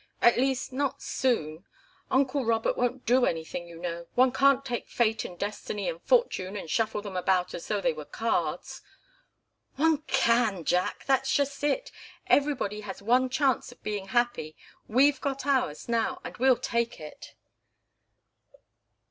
"At least, not soon uncle Robert won't do anything, you know. One can't take fate and destiny and fortune and shuffle them about as though they were cards." "One can, Jack! That's just it. Everybody has one chance of being happy. We've got ours now, and we'll take it."